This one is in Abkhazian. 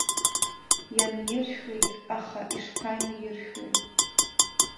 Ианиршәлеит, аха ишԥаниршәлеи!